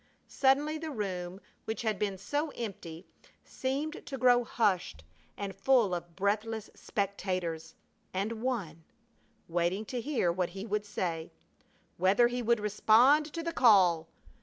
Suddenly the room which had been so empty seemed to grow hushed and full of breathless spectators, and One, waiting to hear what he would say whether he would respond to the call.